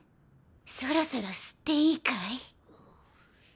そろそろ吸っていいかい？